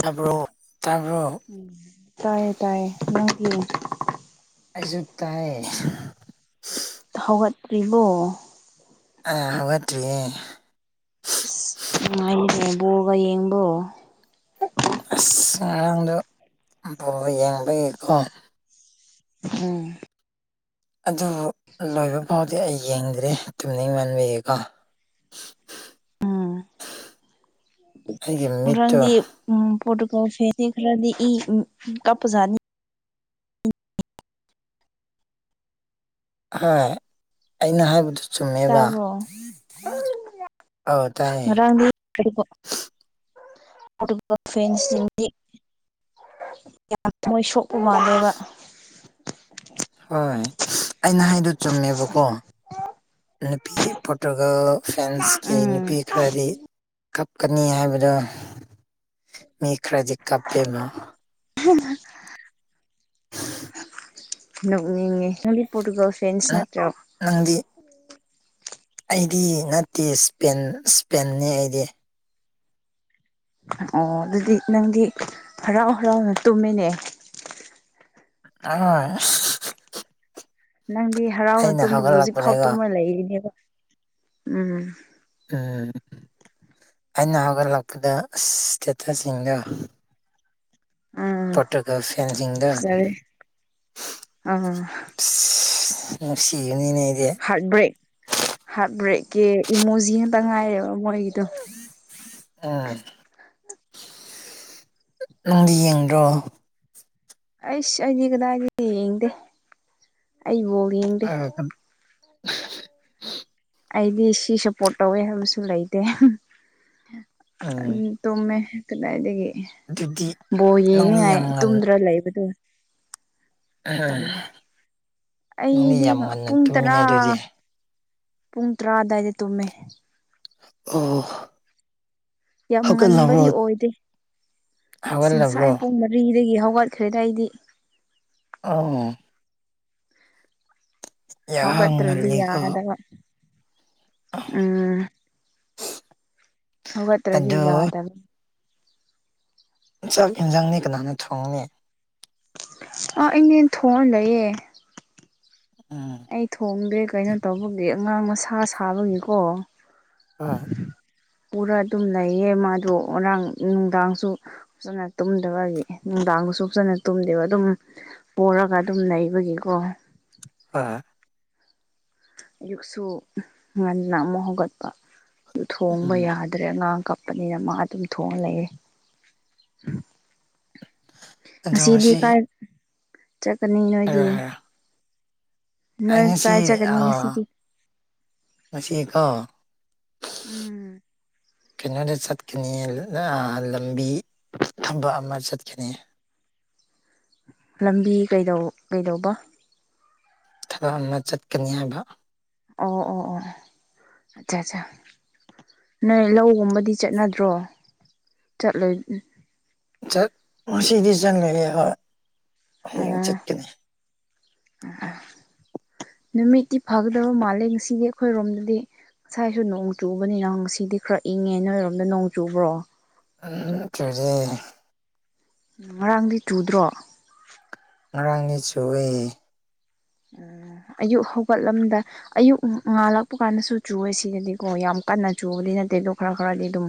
ꯇꯥꯕꯔꫭ ꯇꯥꯕꯔꫭ ꯎꯝ ꯇꯥꯏꯌꯦ ꯇꯥꯏꯌꯦ ꯅꯪꯗꯤ ꯑꯩꯁꯨ ꯇꯥꯏꯌꯦ ꯍꯧꯒꯠꯇ꯭ꯔꯤꯕꯣ ꯑ ꯍꯧꯒꯠꯇꯔꯤꯌꯦ ꯑꯁ ꯅꯨꯡꯉꯥꯏꯅꯦꯍꯩ ꯕꯣꯜꯒ ꯌꯦꯡꯕꯣ ꯑꯁ ꯑꯉꯥꯡꯗꯨ ꯕꫭꯜ ꯌꯦꯡꯕꯒꯤꯀꯣ ꯎꯝ ꯑꯗꯨꯕꯨ ꯂꯣꯏꯕ ꯐꯥꯎꯗꯤ ꯑꯩ ꯌꯦꯡꯗ꯭ꯔꯦ ꯇꯨꯅꯤꯡ ꯃꯟꯕꯒꯤꯀꯣ ꯎꯝ ꯑꯩꯒꯤ ꯃꯤꯠꯇꯣ ꯉꯔꯥꯡꯗꯤ ꯎꯝ ꯄꯣꯇꯨꯒꯜ ꯐꯦꯟꯁꯦ ꯈꯔꯗꯤ ꯏ ꯀꯞꯄꯖꯥꯅꯤ ꯍꫭꯏ ꯑꯩꯅ ꯍꯥꯏꯕꯗꯨ ꯆꯨꯝꯃꯦꯕ ꯇꯥꯕ꯭ꯔꯣ ꯑꯧ ꯇꯥꯏꯌꯦ ꯉꯔꯥꯡꯗꯤ [unintelligible] ꯐꯦꯟꯁ ꯁꯤꯡꯗꯤ ꯌꯥꯝ ꯊꯃꯣꯏ ꯁꯣꯛꯄ ꯃꯥꯜꯂꯦꯕ ꯍꯣꯏ ꯑꯩꯅ ꯍꯥꯏꯗꯣ ꯆꯨꯝꯃꯦꯕꯀꯣ ꯅꯨꯄꯤ ꯄꯣꯔꯇꯨꯒꯜ ꯐ꯭ꯔꯦꯟꯁꯀꯤ ꯎꯝ ꯅꯨꯄꯤ ꯈꯔꯗꯤ ꯀꯞꯀꯅꯤ ꯍꯥꯏꯕꯗꯣ ꯃꯤ ꯈꯔꯗꯤ ꯀꯞꯄꯦꯕ ꯅꫭꯛꯅꯤꯡꯉꯦ [unintelligible] ꯄꯣꯔꯇꯨꯒꯜ ꯐ꯭ꯔꯦꯟꯁ ꯅꯪ ꯅꯠꯇ꯭ꯔꯣ ꯅꯪꯗꯤ ꯑꯩꯗꯤ ꯅꯠꯇꯦ ꯏꯁꯄꯦꯟ ꯏꯁꯄꯦꯅꯦ ꯑꯩꯗꯤ ꯑꯣ ꯑꯗꯨꯗꯤ ꯅꯪꯗꯤ ꯍꯔꯥꯎ ꯍꯔꯥꯎꯅ ꯇꯨꯝꯃꯦꯅꯦ ꯍꫭꯏ ꯑꯁ ꯅꯪꯗꯤ ꯍꯔꯥꯎꯅ ꯑꯩꯅ ꯇꯨꯝꯕꯒꯤ ꯍꯧꯖꯤꯛꯐꯥꯎ ꯍꯧꯒꯠꯂꯛꯄꯗꯀꯣ ꯇꯨꯝꯃ ꯂꯩꯔꯤꯅꯦꯕ ꯎꯝ ꯎꯝ ꯑꯩꯅ ꯍꯧꯒꯠꯂꯛꯄꯗ ꯏꯁꯇꯦꯇꯁꯁꯤꯡꯗꫭ ꯎꯝ ꯄꯔꫭꯇꯨꯒꯜ ꯐꯦꯟꯁꯤꯡꯗꯨ ꯐꯖꯔꯦ ꯑꯥ ꯅꯨꯡꯁꯤꯕꯅꯤꯅꯦ ꯑꯩꯗꯤ ꯍꯥꯔꯠ ꯕ꯭ꯔꯦꯛ ꯍꯥꯔꯠ ꯕ꯭ꯔꯦꯛꯀꯤ ꯏꯃꯣꯖꯤꯉꯥꯛꯇ ꯉꯥꯏꯔꯦꯕ ꯃꯣꯏꯒꯤꯗꯣ ꯎꯝ ꯅꯪꯗꯤ ꯌꯦꯡꯗ꯭ꯔꯣ ꯑꯩꯁ ꯑꯩꯗꯤ ꯀꯗꯥꯏꯗꯒꯤ ꯌꯦꯡꯗꯦ ꯑꯩ ꯕꯥꯎ ꯌꯦꯡꯗꯦ ꯑꯗꯨꯒ ꯑꯩꯗꯤ ꯁꯤ ꯁꯞꯄꯣꯔꯠ ꯇꯧꯋꯦ ꯍꯥꯏꯕꯁꯨ ꯂꯩꯇꯦ ꯎꯝ ꯇꯨꯝꯃꯦ ꯀꯗꯥꯏꯗꯒꯤ ꯑꯗꯨꯗꯤ ꯕꯣꯜ ꯅꯪꯗꯤ ꯌꯦꯡꯅꯤꯡꯉꯥꯏ ꯌꯥꯝ ꯉꯟ ꯇꯨꯝꯗ꯭ꯔ ꯂꯩꯕꯗꯣ [unintelligible] ꯅꯪꯗꯤ ꯑꯩꯗꯤ ꯌꯥꯝ ꯉꯟꯅ ꯄꯨꯡ ꯇꯨꯝꯃꯤꯅꯦ ꯇꯔꯥ ꯑꯗꯨꯗꯤ ꯄꯨꯡ ꯇꯔꯥ ꯑꯗꯥꯏꯗ ꯇꯨꯝꯃꯦ ꯑꯣ ꯌꯥꯝ ꯍꯧꯒꯠꯂꯕ꯭ꯔꯣ ꯉꯟꯕꯗꯤ ꯑꯣꯏꯗꯦ ꯑꯁ ꯍꯧꯒꯠꯂꯕ꯭ꯔꯣ ꯉꯁꯥꯏ ꯄꯨꯡ ꯃ ꯔꯤꯗꯒꯤ ꯍꯧꯒꯠꯈ꯭ꯔꯦꯗ ꯑꯩꯗꯤ ꯑꯧ ꯌꯥꯝ ꯍꯧꯒꯠꯇ꯭ꯔꯗꯤ ꯉꯜꯂꯤꯀꯣ ꯌꯥꯗꯕ ꯎꯝ ꯍꯧꯒꯠꯇ꯭ꯔꯗꯤ ꯑꯗꯣ ꯌꯥꯗꯕꯩ ꯆꯥꯛ ꯏꯟꯁꯥꯡꯗꯤ ꯀꯅꯥꯅ ꯊꯣꯡꯅꯤ ꯑꯥ ꯑꯩꯅꯦꯟ ꯊꯣꯡꯉꯥ ꯂꯩꯌꯦ ꯎꯝ ꯑꯩ ꯊꯣꯡꯗꯦ ꯀꯩꯅꯣ ꯇꯧꯕꯒꯤ ꯑꯉꯥꯡ ꯃꯁꯥ ꯁꯥꯕꯒꯤꯀꯣ ꯍꯣꯏ ꯄꯨꯔ ꯑꯗꯨꯝ ꯂꯩꯌꯦ ꯃꯥꯗꯣ ꯉꯔꯥꯡ ꯅꯨꯡꯗꯥꯡꯁꯨ ꯐꯖꯅ ꯇꯨꯝꯗꯕꯒꯤ ꯅꯨꯡꯗꯥꯡꯗꯁꯨ ꯐꯖꯅ ꯇꯨꯝꯗꯦꯕ ꯑꯗꯨꯝ ꯄꯣꯔꯒ ꯑꯗꯨꯝ ꯂꯩꯩꯕꯒꯤꯀꯣ ꯑꯥ ꯑꯌꯨꯛꯁꯨ ꯉꯟꯅ ꯑꯃꯨꯛ ꯍꯧꯒꯠꯄ ꯑꯗꯨ ꯊꯣꯡꯕ ꯎꯝ ꯌꯥ ꯗ꯭ꯔꯦ ꯑꯉꯥꯡ ꯀꯞꯄꯅꯤꯅ ꯃꯥ ꯑꯗꯨꯝ ꯊꯣꯡꯉ ꯂꯩꯌꯦ ꯑꯗꯣ ꯉꯁꯤꯗꯤ ꯉꯁꯤ ꯀꯥꯏ ꯆꯠꯀꯅꯤ ꯅꯣꯏꯗꯤ ꯍꯥꯏꯔꯣ ꯍꯥꯏꯔꯣ ꯑꯩ ꯅꯣꯏ ꯉꯁꯤ ꯀꯥꯏ ꯆꯠꯀꯅꯤ ꯉꯁꯤꯗꯤ ꯉꯁꯤꯀꯣ ꯎꯝ ꯀꯩꯅꯣꯗ ꯆꯠꯀꯅꯤ ꯑꯑ ꯂꯝꯕꯤ ꯊꯕꯛ ꯑꯃ ꯆꯠꯀꯅꯤ ꯂꯝꯕꯤ ꯀꯩꯗꯧ ꯀꯩꯗꯧꯕ ꯊꯕꯛ ꯑꯃ ꯆꯠꯀꯅꯤ ꯍꯥꯏꯕ ꯑꯣ ꯑꯣ ꯑꯣ ꯑꯠꯆꯥ ꯆꯥ ꯅꯣꯏ ꯂꯧꯒꯨꯝꯕꯗꯤ ꯆꯠꯅꯗ꯭ꯔꯣ ꯆꯠꯂꯣꯏ ꯎꯝ ꯆꯠ ꯉꯁꯤꯗꯤ ꯆꯪꯒꯅꯤ ꯍꯣꯏ ꯍꯌꯦꯡ ꯆꯠꯀꯅꯤ ꯑꯣ ꯅꯨꯃꯤꯠꯇꯤ ꯐꯒꯗꯕ ꯃꯥꯜꯂꯦ ꯉꯁꯤꯗꯤ ꯑꯩꯈꯣꯏꯔꯣꯝꯗꯗꯤ ꯉꯁꯥꯏꯁꯨ ꯅꯣꯡ ꯆꯨꯕꯅꯤꯅ ꯉꯁꯤꯗꯤ ꯈꯔ ꯏꯪꯉꯦ ꯅꯣꯏꯔꯣꯝꯗ ꯅꯣꯡ ꯆꯨꯕ꯭ꯔꯣ ꯑꯥ ꯆꯨꯗꯦ ꯎꯝ ꯉꯔꯥꯡꯗꯤ ꯆꯨꯗ꯭ꯔꯣ ꯉꯔꯥꯡꯗꯤ ꯆꯨꯌꯦ ꯑ ꯑꯌꯨꯛ ꯍꯧꯒꯠꯂꯝꯗꯥꯏ ꯑꯌꯨꯛ ꯉꯥꯜꯂꯛꯄ ꯀꯥꯟꯗꯁꯨ ꯆꯨꯋꯦ ꯁꯤꯗꯗꯤꯀꯣ ꯌꯥꯝ ꯀꯟꯅ ꯆꯨꯕꯗꯤ ꯅꯠꯇꯦ ꯑꯗꯣ ꯈꯔ ꯈꯔꯗꯤ ꯑꯗꯨꯝ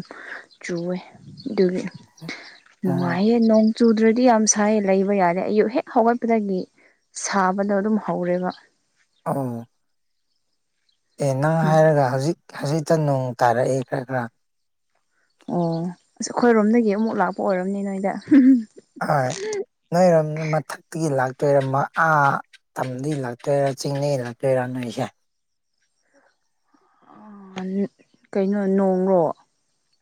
ꯆꯨꯌꯦ ꯑꯗꯨꯒꯤ ꯎꯝ ꯅꯨꯡꯉꯥꯏꯌꯦ ꯅꯣꯡ ꯆꯨꯗ꯭ꯔꯗꯤ ꯌꯥꯝ ꯁꯥꯏꯌꯦ ꯂꯩꯕ ꯌꯥꯗꯦ ꯑꯌꯨꯛ ꯍꯦꯛ ꯍꯧꯒꯠꯄꯗꯒꯤ ꯁꯥꯕꯗꯣ ꯑꯗꯨꯝ ꯍꯧꯔꯦꯕ ꯑꯧ ꯑꯦ ꯅꯪ ꯍꯥꯏꯔꯒ ꯍꯧꯖꯤꯛ ꯍꯧꯖꯤꯛꯇ ꯅꯣꯡ ꯇꯥꯔꯛꯑꯦ ꯈꯔ ꯈꯔ ꯑꯣ ꯑꯁ ꯑꯩꯈꯣꯏꯔꯣꯝꯗꯒꯤ ꯑꯃꯨꯛ ꯂꯥꯛꯄ ꯑꯣꯏꯔꯝꯅꯤ ꯅꯣꯏꯗ ꯍꯣꯏ ꯅꯣꯏꯔꯣꯝꯗꯨ ꯃꯊꯛꯇꯒꯤ ꯂꯥꯛꯇꯣꯏꯔ ꯑꯥ- ꯇꯝꯗꯩ ꯂꯛꯇꯣꯏꯔꯥ ꯆꯤꯡꯗꯒꯤ ꯂꯛꯇꯣꯏꯔꯥ ꯅꯣꯏꯁꯦ꯫ ꯑꯥ ꯀꯩꯅꯣ ꯅꯣꯡꯔꯣ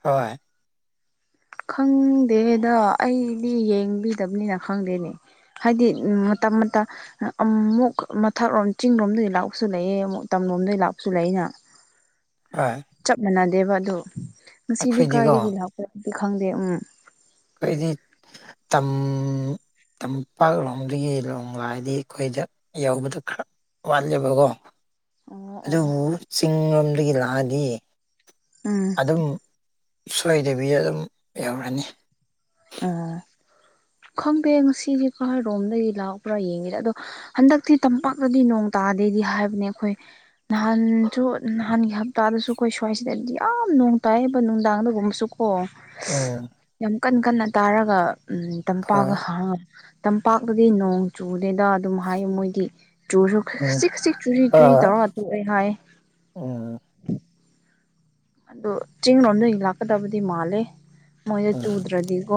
ꯍꯣꯏ ꯈꯪꯗꯦꯗ ꯑꯩꯗꯤ ꯌꯦꯡꯕꯤꯗꯕꯅꯤꯅ ꯈꯪꯗꯦꯅꯦ ꯍꯥꯏꯗꯤ ꯎꯝ ꯃꯇꯝ ꯃꯇꯝ ꯑꯃꯨꯛ ꯃꯊꯛꯔꯣꯝ ꯆꯤꯡꯔꯣꯝꯗꯒꯤ ꯂꯥꯛꯄꯁꯨ ꯂꯩꯑꯦ ꯑꯃꯨꯛ ꯇꯝꯂꯣꯝꯗꯒꯤ ꯂꯥꯛꯄꯁꯨ ꯂꯩꯩꯅ [inaudible] ꯍꯣꯏ ꯆꯞ ꯃꯥꯟꯅꯗꯦꯕ ꯑꯗꯨ ꯉꯁꯤꯗꯤ ꯑꯩꯈꯣꯏꯗꯤꯀꯣ ꯀꯥꯏꯗꯒꯤ ꯂꯥꯛꯄ꯭ꯔꯥꯗꯤ ꯈꯪꯗꯦ ꯎꯝ ꯑꯩꯈꯣꯏꯗꯤ ꯇꯝ ꯇꯝꯄꯥꯛꯂꯣꯝꯗꯨꯒꯤ ꯅꫭꯡ‌ ꯂꯥꯛꯑꯗꯤ ꯑꯩꯈꯣꯏꯗ ꯌꯧꯕꯗ ꯈꯔ ꯋꯥꯠꯂꯦꯕꯀꯣ ꯑꯣ ꯑꯣ ꯑꯗꯨꯕꯨ ꯆꯤꯡ ꯂꯣꯝꯗꯒꯤ ꯂꯥꯛꯑꯗꯤ ꯎꯝ ꯑꯗꯨꯝ ꯁꯣꯏꯗꯕꯤꯗ ꯑꯗꯨꯝ ꯌꯧꯔꯅꯤ ꯑꯝ ꯈꯪꯗꯦ ꯉꯁꯤꯗꯤ ꯈꯔꯣꯝꯗꯒꯤ ꯂꯥꯛꯕ꯭ꯔꯥ ꯌꯦꯡꯉꯤꯗ ꯑꯗꯣ ꯍꯟꯗꯛꯇꯤ ꯇꯝꯄꯥꯛꯇꯗꯤ ꯅꯣꯡ ꯇꯥꯗꯦꯗꯤ ꯍꯥꯏꯕꯅꯦ ꯑꯩꯈꯣꯏ ꯅꯍꯥꯟꯁꯨ ꯅꯍꯥꯟꯒꯤ ꯍꯞꯇꯥꯗꯁꯨ ꯑꯩꯈꯣꯏ ꯁ꯭ꯋꯥꯏꯁꯤꯗꯗꯤ ꯌꯥꯝ ꯅꯣꯡ ꯇꯥꯏꯌꯦꯕ ꯅꯨꯡꯗꯥꯡꯗꯒꯨꯝꯕꯁꯨ ꯑꯣ ꯑꯝ ꯌꯥꯝ ꯀꯟ ꯀꯟꯅ ꯇꯥꯔꯒ ꯎꯝ ꯇꯝꯄꯥꯛꯒ ꯍꯣꯏ ꯍꯥ ꯇꯝꯄꯥꯛꯇꯗꯤ ꯅꯣꯡ ꯆꯨꯗꯦꯗ ꯑꯗꯨꯝ ꯍꯥꯏ ꯃꯣꯏꯗꯤ ꯆꯨꯔꯁꯨ ꯎꯝ ꯈꯖꯤꯛ ꯈꯖꯤꯛ ꯆꯨꯔꯤ ꯆꯨꯔꯤ ꯍꯣꯏ ꯇꯧꯔ ꯇꯣꯛꯑꯦ ꯍꯥꯏ ꯎꯝ ꯑꯗꯣ ꯆꯤꯡ ꯂꯣꯝꯗꯗꯤ ꯂꯥꯛꯀꯗꯕꯗꯤ ꯃꯥꯜꯂꯦ ꯃꯣꯏꯗ ꯎꯝ ꯆꯨꯗ꯭ꯔꯗꯤꯀꯣ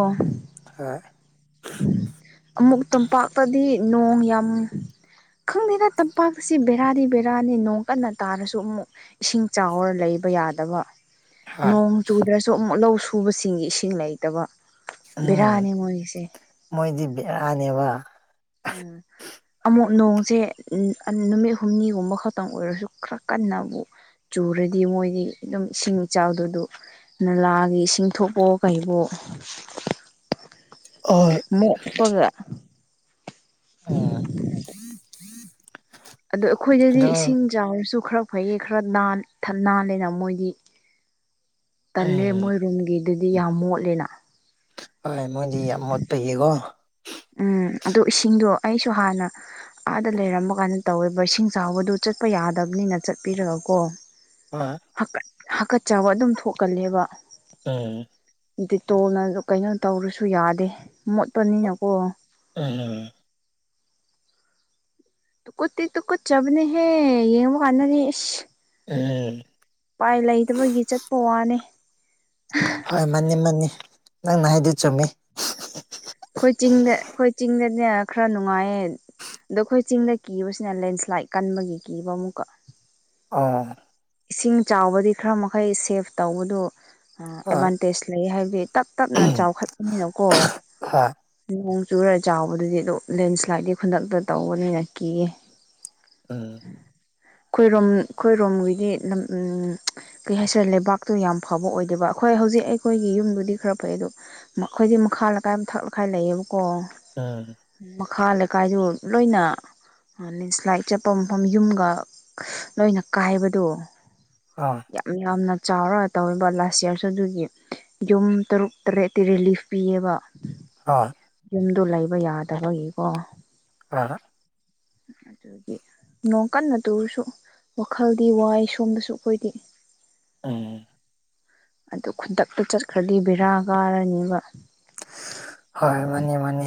ꯍꯣꯏ ꯑꯃꯨꯛ ꯇꯝꯄꯥꯛꯇꯗꯤ ꯅꯣꯡ ꯌꯥꯝ ꯈꯪꯗꯦꯗ ꯇꯝꯄꯥꯛꯁꯤ ꯕꯦꯔꯥꯗꯤ ꯕꯦꯔꯥꯅꯤ ꯅꯣꯡ ꯀꯟꯅ ꯇꯥꯔꯁꯨ ꯑꯃꯨꯛ ꯏꯁꯤꯡ ꯆꯥꯎꯔ ꯂꯩꯕ ꯌꯥꯗ ꯗꯕ ꯍꯣꯏ ꯅꯣꯡ ꯆꯨꯗ꯭ꯔꯁꯨ ꯑꯃꯨꯛ ꯂꯧ ꯁꯨꯕꯁꯤꯡꯒꯤ ꯏꯁꯤꯡ ꯂꯩꯇꯕ ꯎꯝ ꯕꯦꯔꯥꯅꯤ ꯃꯣꯏꯒꯤꯁꯦ ꯃꯣꯏꯗꯤ ꯕꯤꯔꯥꯅꯦꯕ ꯎꯝ ꯑꯃꯨꯛ ꯅꯣꯡꯁꯦ ꯅꯨꯃꯤꯠ ꯍꯨꯝꯅꯤꯒꯨꯝꯕ ꯈꯛꯇꯪ ꯑꯣꯏꯔꯁꯨ ꯈꯔ ꯀꯟꯅꯕꯨ ꯆꯨꯔꯗꯤ ꯃꯣꯏꯗꯤ ꯑꯗꯨꯝ ꯏꯁꯤꯡ ꯏꯆꯥꯎꯗꯣ ꯑꯗꯨ ꯅꯂꯥꯒꯤ ꯏꯁꯤꯡ ꯊꯣꯛꯄ ꯀꯩꯕꯣ ꯑꯣ ꯃꯣꯛꯄꯒ ꯑꯝ ꯑꯗꯣ ꯑꯩꯈꯣꯏꯗꯗꯤ ꯏꯁꯤꯡ ꯆꯥꯎꯔꯁꯨ ꯈꯔ ꯐꯩꯌꯦ ꯈꯔ ꯅꯥꯜ ꯅꯥꯜꯂꯦꯅ ꯃꯣꯏꯗꯤ ꯇꯜꯂꯦ ꯎꯝ ꯃꯣꯏ ꯔꯨꯝꯒꯤꯗꯨꯗꯤ ꯌꯥꯝ ꯃꯣꯠꯂꯦꯅ ꯍꯣꯏ ꯃꯣꯏꯗꯤ ꯌꯥꯝ ꯃꯣꯠꯄꯒꯤꯀꯣ ꯎꯝ ꯑꯗꯨ ꯏꯁꯤꯡꯗꯣ ꯑꯩꯁꯨ ꯍꯥꯟꯅ ꯑꯥꯗ ꯂꯩꯔꯝꯕꯒꯥꯟꯗ ꯇꯧꯋꯦꯕ ꯏꯁꯤꯡ ꯆꯥꯎꯕꯗꯨ ꯆꯠꯄ ꯌꯥꯗꯕꯅꯤꯅ ꯆꯠꯄꯤꯔꯒ ꯀꯣ ꯍꫭꯏ ꯍꯥꯀꯠ ꯍꯥꯀꯠ ꯆꯕ ꯑꯗꯨꯝ ꯊꯣꯛ ꯀꯜꯂꯦꯕ ꯎꯝ ꯗꯤꯇꯣꯜꯅ ꯖꯨ ꯀꯩꯅꯣ ꯇꯧꯔꯁꯨ ꯌꯥꯗꯦ ꯃꯣꯠꯄ ꯅꯤꯅꯀꯣ ꯎꯝ ꯇꯨ ꯀꯨꯠꯇꯤ ꯇꯨ ꯀꯨꯠ ꯆꯕꯅꯦ ꯍꯦ ꯌꯦꯡꯕꯥ ꯀꯥꯟꯗꯗꯤ ꯏꯁ ꯎꯝ ꯄꯥꯏ ꯂꯩꯇꯕꯒꯤ ꯆꯠꯄ ꯋꯥꯅꯦ ꯍꯣꯏ ꯃꯥꯅꯤ ꯃꯥꯅꯤ ꯅꯪ ꯅ ꯍꯥꯏꯗ‌ꯣ ꯆꯨꯝꯃꯤ ꯈꯣꯏ ꯆꯤꯡꯗ ꯈꯣꯏ ꯆꯤꯡꯗꯅꯦ ꯈꯔ ꯅꯨꯡꯉꯥꯏꯌꯦ ꯗꯨ ꯈꯣꯏ ꯆꯤꯡꯗ ꯀꯤꯕꯁꯤꯅ ꯂꯦꯟꯁ꯭ꯂꯥꯏꯠ ꯀꯟꯕꯒꯤ ꯀꯤꯕ ꯑꯃꯨꯛꯀ ꯑ‌ꯣ ꯏꯁꯤꯡ ꯆꯥꯎꯕꯗꯤ ꯈꯔ ꯃꯈꯩ ꯁꯦꯐ ꯇꯧꯕꯗꯨ ꯑꯥ ꯍꯣꯏ ꯑꯦꯚꯥꯟꯇꯦꯁ ꯂꯩꯌ‌ꯦ ꯍꯥꯏꯕꯗꯤ ꯇꯞ ꯇꯞꯅ ꯍꯣꯏ ꯆꯥꯎꯈꯠ ꯄꯅꯤꯅꯀꯣ ꯅꯣꯡ ꯆꯨꯔ ꯆꯥꯎꯕꯗꯨꯗꯤ ꯑꯗꯨ ꯂꯦꯟꯁ꯭ꯂꯥꯏꯗꯗꯤ ꯈꯨꯟꯗꯛꯇ ꯇꯧꯕꯅꯤꯅ ꯀꯤꯌꯦ ꯎꯝ ꯈꯣꯏ ꯔꯣꯝ ꯈꯣꯏ ꯔꯣꯝꯒꯤ ꯗꯤ ꯂꯝ ꯎꯝ ꯀꯩ ꯍꯥꯏꯁꯤꯔꯦ ꯂꯩꯕꯥꯛꯇꯣ ꯌꯥꯝ ꯐꯕ ꯑꯣꯏꯗꯦꯕ ꯑꯈꯣꯏ ꯍꯧꯖꯤꯛ ꯑꯩꯈꯣꯏꯒꯤ ꯌꯨꯝꯕꯨꯗꯤ ꯈꯔ ꯐꯩ ꯑꯗꯣ ꯃꯈꯣꯏꯗꯤ ꯃꯈꯥ ꯂꯀꯥꯏ ꯊꯛ ꯂꯀꯥꯏ ꯂꯩꯌꯦꯕꯀꯣ ꯎꯝ ꯃꯈꯥ ꯂꯩꯀꯥꯏꯗꯨ ꯂꯣꯏꯅ ꯂꯦꯟꯁ꯭ꯂꯥꯏꯠ ꯆꯠꯄ ꯃꯐꯝ ꯌꯨꯝꯒ ꯂꯣꯏꯅ ꯀꯥꯏꯕꯗꯨ ꯑꯥ ꯌꯥꯝ ꯌꯥꯝꯅ ꯆꯥꯎꯔ ꯇꯧꯋꯦꯕ ꯂꯥꯁ ꯏꯌꯥꯔꯁꯨ ꯑꯗꯨꯒꯤ ꯌꯨꯝ ꯇꯔꯨꯛ ꯇꯔꯦꯠꯇꯤ ꯔꯦꯂꯤꯐ ꯄꯤꯌ‌ꯦꯕ ꯑꯥ ꯌꯨꯝꯗꯨ ꯂꯩꯕ ꯌꯥꯗꯕꯒꯤꯀꯣ ꯑꯥ ꯍ [unintelligible] ꯗꯨꯒꯤ ꯅꯣꯡ ꯀꯟꯅ ꯇꯨꯔꯁꯨ ꯋꯥꯈꯜꯗꯤ ꯋꯥꯏ ꯁꯣꯝꯗꯁꯨ ꯑꯈꯣꯏꯗꯤ ꯎꯝ ꯑꯗꯨ ꯈꯨꯟꯗꯛꯇ ꯆꯠꯈ꯭ꯔꯗꯤ ꯕꯦꯔꯥ ꯀꯥꯔꯅꯤꯕ ꯍꯣꯏ ꯃꯥꯅꯤ ꯃꯥꯅꯤ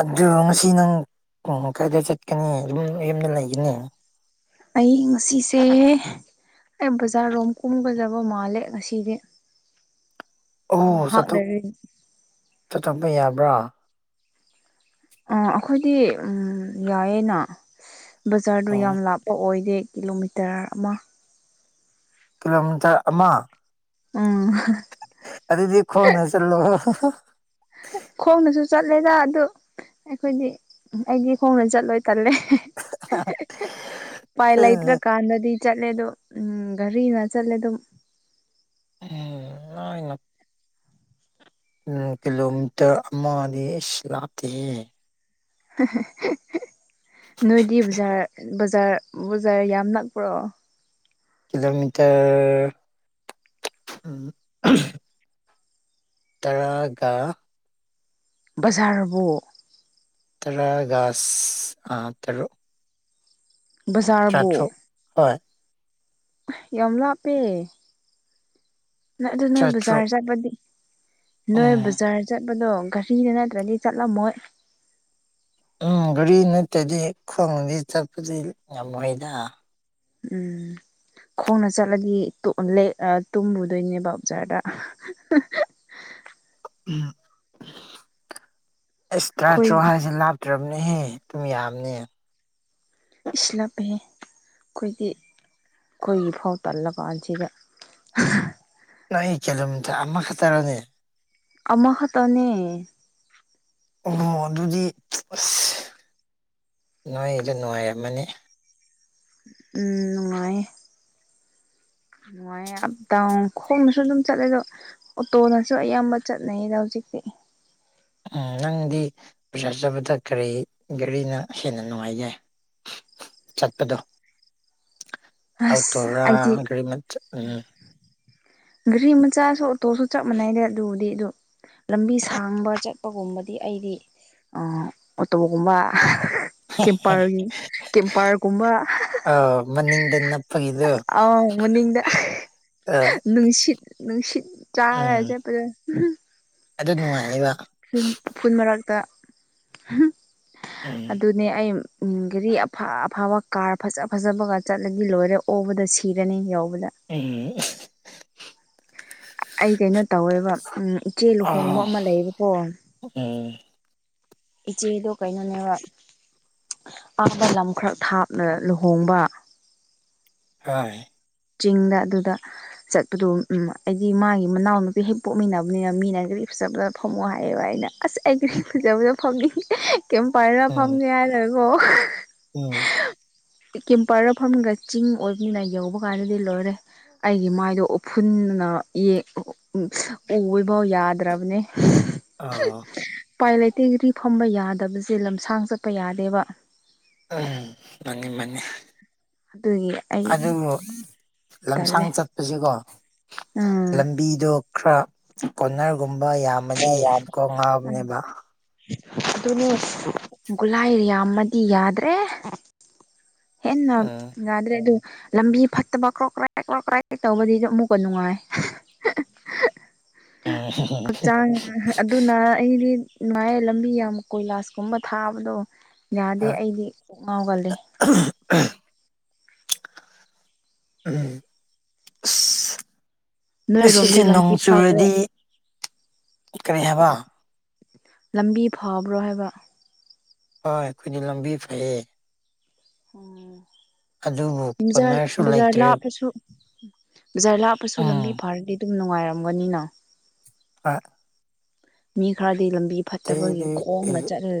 ꯑꯗꯨ ꯉꯁꯤ ꯅꯪ ꯀ‌ꯣꯡꯃꯥ ꯀꯥꯏꯗ ꯆꯠꯀꯅꯤ ꯌꯨꯝ ꯌꯨꯝꯗ ꯂꯩꯒꯅꯤ ꯑꯩ ꯉꯁꯤꯁꯦ ꯑꯩ ꯕꯖꯥꯔꯔꯣꯝ ꯀꯨꯝꯒꯖꯕ ꯃꯥꯜꯂꯦ ꯉꯁꯤꯗꯤ [inaudible] ꯑꯣ ꯆꯠꯊꯣꯛ ꯂꯩꯔꯗꯤ ꯆꯠꯆ‌ꯣꯝꯗꯥ ꯌꯥꯕ꯭ꯔꯥ ꯑꯥ ꯑꯈꯣꯏꯗꯤ ꯎꯝ ꯌꯥꯏꯌꯦꯅ ꯕꯖꯥꯔꯗꯣ ꯑꯣ ꯌꯥꯝ ꯂꯥꯞꯄ ꯑꯣꯏꯗꯦ ꯀꯤꯂꯣꯃꯤꯇꯔ ꯑꯃꯥ ꯀꯤꯂꯣꯃꯤꯇꯔ ꯑꯃꯥ ꯎꯝ ꯑꯗꯨꯗꯤ ꯈꯣꯡꯅ ꯆꯜꯂꯣ ꯈꯣꯡꯅꯁꯨ ꯆꯠꯂꯦꯗ ꯑꯗꯨ ꯑꯩꯈꯣꯏꯗꯤ ꯑꯩꯗꯤ ꯈꯣꯡꯅ ꯆꯠꯂꯣꯏ ꯇꯜꯂꯦ ꯄꯥꯏ ꯂꯩꯇ꯭ꯔ ꯀꯥꯟꯗꯗꯤ ꯆꯠꯂꯦ ꯗꯨ ꯎꯝ ꯒꯥꯔꯤꯅ ꯆꯠꯂꯦ ꯗꯨꯝ ꯎꯝ ꯅ‌ꯣꯏꯅꯞ ꯎꯝ ꯀꯤꯂꯣꯃꯤꯇꯔ ꯑꯃꯗꯤ ꯏꯁ ꯂꯥꯞꯇꯦꯍꯦ ꯍꯦꯍꯦ ꯅꯣꯏꯗꯤ ꯕꯖꯥꯔ ꯕꯖꯥꯔ ꯕꯖꯥꯔ ꯌꯥꯝ ꯅꯛꯄ꯭ꯔꯣ ꯀꯤꯂꯣꯃꯤꯇꯔ ꯎꯝ ꯇꯔꯥꯒ ꯕꯖꯥꯔꯕꯨ ꯇꯔꯥꯒ ꯁꯤꯁ ꯑꯥ ꯇꯔꯨꯛ ꯕꯖꯥꯔꯕꯨ ꯇꯔꯥꯇꯔꯨꯛ ꯍꯣꯏ ꯑꯥꯏ ꯌꯝ ꯂꯥꯞ ꯄꯦ ꯅꯛ ꯑꯗꯨ ꯅꯣꯏ ꯇꯔꯥꯇꯔꯨꯛ ꯕꯖꯥꯔ ꯆꯠꯄꯗꯤ ꯅꯣꯏ ꯎꯝ ꯕꯖꯥꯔ ꯆꯠꯄꯗꯣ ꯒꯥꯔꯤꯗ ꯅꯠꯇ꯭ꯔꯗꯤ ꯆꯠꯂꯝꯃꯣꯏ ꯎꯝ ꯒꯥꯔꯤ ꯅꯠꯇꯗꯤ ꯈꯣꯡꯅꯗꯤ ꯆꯠꯄꯗꯤ ꯉꯝꯃꯣꯏꯗ ꯎꯝ ꯈꯣꯡꯅ ꯆꯠꯂꯗꯤ ꯇꯣꯛ ꯂꯩ ꯑꯥ ꯇꯨꯝꯃꯨꯗꯣꯏꯅꯦꯕ ꯑꯥ ꯕꯖꯥꯔꯗ ꯑꯦꯁ ꯑꯩꯈꯣꯏ ꯇ꯭ꯔꯥꯇꯔꯨꯛ ꯍꯥꯏꯁꯤ ꯂꯥꯞ ꯇ꯭ꯔꯕꯅꯦꯍꯦ ꯗꯨꯝ ꯌꯥꯝꯅꯦ ꯏꯁ ꯂꯥꯞꯄꯦꯍꯦ ꯑꯩꯈꯣꯏꯗꯤ ꯑꯩꯈꯣꯏꯒꯤ ꯐꯥꯎ ꯇꯜꯂ ꯀꯥꯟꯁꯤꯗ ꯅꯣꯏ ꯀꯤꯂꯣꯃꯤꯇꯔ ꯑꯃꯈꯛꯇꯔꯥꯅꯦ ꯑꯃ ꯈꯠꯇꯅꯦ ꯑꯣ ꯑꯗꯨꯗꯤ ꯑꯁ ꯅꯣꯏ ꯑꯗꯨ ꯅꯨꯡꯉꯥꯏꯔꯝꯃꯅꯤ ꯎꯝ ꯅꯨꯡꯉꯥꯏꯌꯦ ꯅꯨꯡꯉꯥꯏꯌꯦ ꯑꯞ ꯗꯥꯎꯟ ꯈꯣꯡꯅꯁꯨ ꯑꯗꯨꯝ ꯆꯠꯂꯦꯗꯣ ꯑꯣꯇꯣꯅꯁꯨ ꯑꯌꯥꯝꯕ ꯆꯠꯅꯩꯌꯦꯗ ꯍꯧꯖꯤꯛꯇꯤ ꯎꯝ ꯅꯪꯗꯤ ꯕꯖꯥꯔ ꯆꯄꯗ ꯀꯔꯤ ꯒꯔꯤꯅ ꯍꯦꯟꯅ ꯅꯨꯡꯉꯥꯏꯒꯦ ꯆꯠꯄꯗꯣ [inaudible] ꯑꯣꯇꯣꯔꯥ ꯑꯩꯗꯤ ꯒꯥꯔꯤ ꯃꯆꯥ ꯎꯝ ꯒꯔꯤ ꯃꯆꯥꯁꯨ ꯑꯣꯇꯣꯁꯨ ꯆꯞ ꯃꯥꯟꯅꯩꯗ ꯑꯗꯨꯕꯨꯗꯤ ꯑꯗꯨ ꯂꯝꯕꯤ ꯁꯥꯡꯕ ꯆꯠꯄꯒꯨꯝꯕꯗꯤ ꯑꯩꯗꯤ ꯑꯥ ꯑꯣꯇꯣꯕꯒꯨꯝꯕ ꯍꯤꯍꯤ ꯀꯦꯝꯄꯔꯒꯤ ꯀꯦꯝꯄꯔꯒꯨꯝꯕ ꯍꯥꯍꯥ ꯑꯥ ꯃꯅꯤꯡꯗꯅ ꯅꯞ ꯑꯥꯎ ꯃꯅꯤꯡꯗ ꯍꯤꯍꯤ ꯑꯥ ꯅꯨꯡꯁꯤꯠ ꯅꯨꯡꯁꯤꯠ ꯆꯥꯔ ꯎꯝ ꯆꯠꯄꯗꯣ ꯑꯍꯝ ꯑꯗꯨ ꯅꯨꯡꯉꯥꯏꯌꯦꯕ ꯐꯨꯟ ꯐꯨꯟ ꯃꯔꯛꯇ ꯎꯝ ꯑꯗꯨ ꯅꯦ ꯑꯩ ꯎꯝ ꯒꯥꯔꯤ ꯑꯐꯥ ꯑꯐꯥꯕ ꯀꯥꯔ ꯐꯖ ꯐꯖꯕꯒ ꯆꯠꯂꯗꯤ ꯂꯣꯏꯔꯦ ꯑꯣꯕꯗ ꯁꯤꯔꯅꯤ ꯌꯧꯕꯗ ꯎꯝ [unintelligible] ꯑꯩ ꯀꯩꯅꯣ ꯇꯧꯋꯦꯕ ꯎꯝ ꯏꯆꯦ ꯂꯨꯍꯣꯡꯕ ꯑꯥ ꯑꯃ ꯂꯩꯌꯦꯕꯀꯣ ꯎꯝ ꯏꯆꯦꯗꯣ ꯀꯩꯅꯣꯅꯦꯕ ꯑꯥꯗ ꯂꯝ ꯈꯔ ꯊꯥꯞꯅ ꯂꯨꯍꯣꯡꯕ ꯒꯥꯏ ꯆꯤꯡꯗ ꯑꯗꯨꯗ ꯆꯠꯄꯗꯨ ꯎꯝ ꯑꯩꯗꯤ ꯃꯥꯒꯤ ꯃꯅꯥꯎ ꯅꯨꯨꯄꯤ ꯍꯦꯛ ꯄꯣꯛꯃꯤꯟꯅꯕꯅꯤꯅ ꯃꯤꯅ ꯒꯥꯔꯤ ꯐꯖꯕꯗ ꯐꯝꯃꯣ ꯍꯥꯏꯌꯦꯕ ꯑꯩꯅ ꯑꯁ ꯑꯩꯗꯤ ꯐꯖꯕꯗ ꯐꯝꯅꯤ ꯀꯦꯝꯄꯔꯗ ꯎꯝ ꯐꯝꯒꯦ ꯍꯥꯏꯔꯀꯣ ꯎꯝ ꯀꯦꯝꯄꯔꯗ ꯐꯝꯔꯒ ꯆꯤꯡ ꯑꯣꯏꯕꯅꯤꯅ ꯌꯧꯕ ꯀꯥꯟꯗꯗꯤ ꯂꯣꯏꯔꯦ ꯑꯩꯒꯤ ꯃꯥꯏꯗꯣ ꯎꯐꯨꯟꯅ ꯌꯦ ꯎꯝ ꯎꯒꯦꯐꯥꯎ ꯌꯥꯗ꯭ꯔꯕꯅꯦ ꯑꯥꯑ ꯎꯄꯥꯏ ꯂꯩꯇꯦ ꯅꯨꯄꯤ ꯐꯝꯕ ꯌꯥꯗꯕꯁꯦ ꯂꯝꯁꯥꯡ ꯆꯠꯄ ꯌꯥꯗꯦꯕ ꯑꯥꯡ ꯃꯥꯅꯤ ꯃꯥꯅꯤ ꯑꯗꯨꯒꯤ ꯑꯩ ꯑꯗꯨꯕꯨ ꯂꯝꯁꯥꯡ ꯇꯜꯂꯦ ꯆꯠꯄꯖꯤꯀꯣ ꯎꯝ ꯂꯝꯕꯤꯗꯣ ꯈꯔ ꯀꯣꯅꯔꯒꯨꯝꯕ ꯌꯥꯝꯃꯗꯤ ꯀꯣꯛ ꯉꯥꯎꯕꯅꯦꯕ ꯗꯨꯅꯦ ꯒꯨꯂꯥꯏ ꯌꯥꯝꯃꯗꯤ ꯌꯥꯗ꯭ꯔꯦ ꯍꯦꯟꯅꯥ ꯎꯝ ꯌꯥꯗ꯭ꯔꯦ ꯑꯗꯨ ꯂꯝꯕꯤ ꯐꯠꯇꯕꯀꯣ ꯀ꯭ꯔꯣꯛ ꯀ꯭ꯔꯦꯛ ꯀ꯭ꯔꯣꯛ ꯀ꯭꯭ꯔꯦꯛ ꯇꯧꯕꯗꯗꯤ ꯑꯃꯨꯛꯀ ꯅꯨꯡꯉꯥꯏ INAUDIBLE ꯍꯛꯆꯥꯡ ꯍꯥꯑ ꯑꯗꯨꯅ ꯑꯩꯗꯤ ꯏꯃꯥꯏ ꯂꯝꯕꯤ ꯌꯥꯝ ꯀꯣꯏꯂꯥꯁꯀꯨꯝꯕ ꯊꯥꯕꯗꯣ ꯌꯥꯗꯦ ꯑꯩꯗꯤ ꯀꯣꯛ ꯉꯥꯎꯒꯜꯂꯦ INAUDIBLE ꯑꯥꯁ ꯅꯣꯏꯔꯣꯝꯗꯤ ꯉꯁꯤꯁꯦ ꯅꯣꯡ ꯂꯝꯕꯤ ꯐꯕ꯭ꯔꯣ ꯆꯨꯔꯗꯤ ꯀꯔꯤ ꯍꯥꯏꯕ ꯂꯝꯕꯤ ꯐꯕ꯭ꯔꯣ ꯍꯥꯏꯕ ꯍꯣꯏ ꯑꯩꯈꯣꯏꯗꯤ ꯂꯝꯕꯤ ꯐꯩꯌꯦ ꯎꯪꯎꯪ ꯑꯗꯨꯕꯨ ꯕꯖꯥꯔ ꯀꯣꯟꯅꯔꯁꯨ ꯕꯖꯥꯔ ꯂꯩꯇ꯭ꯔꯦ ꯂꯥꯛꯄꯁꯨ ꯕꯖꯥꯔ ꯂꯥꯛꯄꯁꯨ ꯂꯝꯕꯤ ꯎꯝ ꯐꯥꯔꯗꯤ ꯑꯗꯨꯝ ꯅꯨꯡꯉꯥꯏꯔꯝꯒꯅꯤꯅ ꯑꯥ ꯃꯤ ꯈꯔꯗꯤ ꯂꯝꯕꯤ ꯐꯠꯇꯕꯒꯤ ꯇꯦꯔꯦ ꯑꯦ ꯈꯣꯡꯅ ꯆꯠꯍꯜꯂꯦ